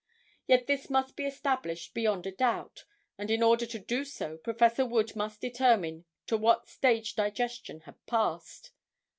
Yet this must be established beyond a doubt, and in order to do so, Prof. Wood must determine to what stage digestion had passed.